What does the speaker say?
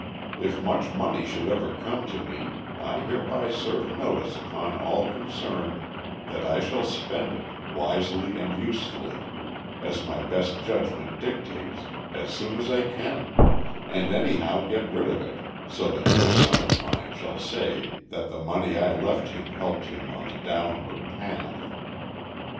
If much money should ever come to me I hereby serve notice upon all concerned that I shall spend it, wisely and usefully, as my best judgment dictates, as soon as I can, and anyhow get rid of it so that no son of mine shall say that the money I left him helped him on the downward path.